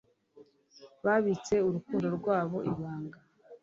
Babitse urukundo rwabo ibanga.